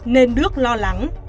nên đức lo lắng